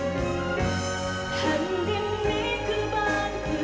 ลายร้อนเพราะบริบาลสุขเสริญด้วยความร่มเย็น